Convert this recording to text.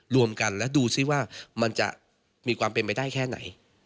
รวมกันและดูซิว่ามันจะมีความเป็นไปได้แค่ไหน